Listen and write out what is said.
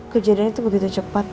kejadian itu begitu cepat